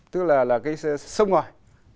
tức là cái sông ngoài